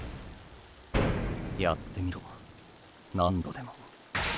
やってみろ何度でも。